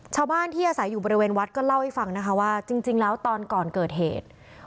ชาวบ้านที่อาศัยอยู่บริเวณวัดก็เล่าให้ฟังนะคะว่าจริงแล้วตอนก่อนเกิดเหตุ